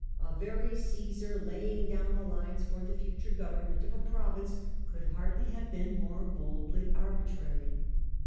A very Csesar laying down the lines for the future government of a province could hardly have been more boldly arbitrary.